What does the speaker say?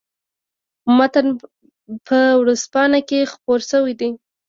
متن په ورځپاڼه کې خپور شوی دی.